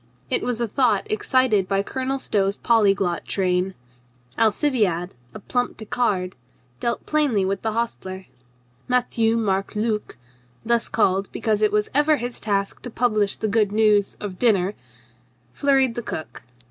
It was a thought excited by Colonel Stow's polyglot train. Alcibiade, a plump Picard, dealt plainly with the hostler. Matthieu Marc Luc (thus called be cause it was ever his task to publish the good news of dinner) flurried the cook.